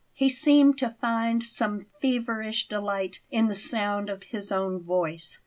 He seemed to find some feverish delight in the sound of his own voice.